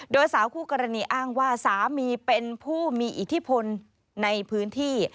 โดยสาวคู่กรณีอ้างว่าสามีเป็นผู้มีอิทธิพลในพื้นที่